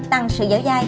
tăng sự dở dài